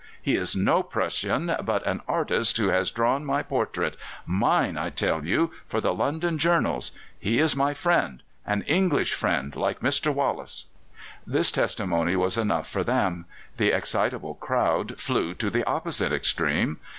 He is no Prussian, but an artist who has drawn my portrait mine, I tell you for the London journals. He is my friend an English friend, like Mr. Wallace." This testimony was enough for them. The excitable crowd flew to the opposite extreme.